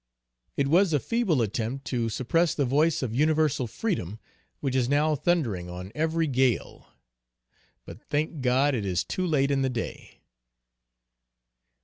It was a feeble attempt to suppress the voice of universal freedom which is now thundering on every gale. But thank God it is too late in the day.